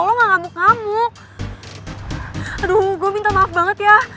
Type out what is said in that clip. lo tuh kepedean banget ya